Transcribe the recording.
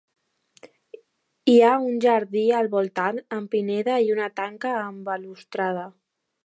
Hi ha un jardí al voltant amb pineda i una tanca amb balustrada.